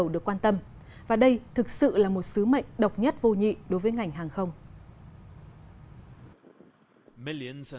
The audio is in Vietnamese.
đọc nhất vô nhị đối với ngành hàng không